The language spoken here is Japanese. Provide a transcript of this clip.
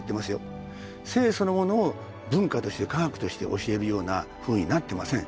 性そのものを文化として科学として教えるようなふうになってません。